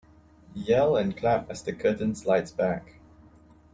Yell and clap as the curtain slides back.